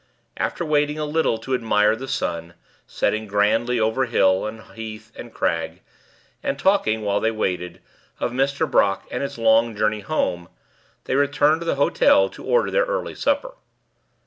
After waiting a little to admire the sun, setting grandly over hill, and heath, and crag, and talking, while they waited, of Mr. Brock and his long journey home, they returned to the hotel to order their early supper.